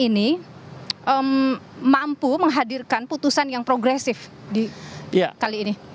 ini mampu menghadirkan putusan yang progresif di kali ini